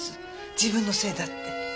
自分のせいだって。